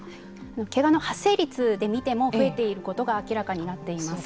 けがの発生率で見ても増えていることが明らかになっています。